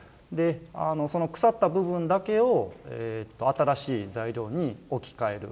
その腐った部分だけを新しい材料に置き換える。